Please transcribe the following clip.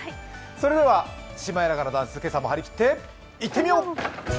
それではシマエナガのダンス今朝も張り切っていってみよう！